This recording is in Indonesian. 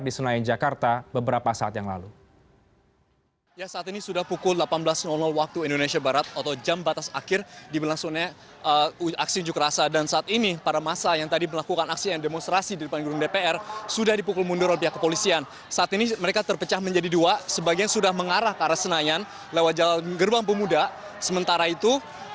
di senayan jakarta beberapa saat yang lalu